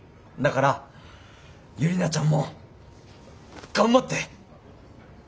だからユリナちゃんも頑張って！